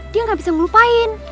dia gak bisa ngelupain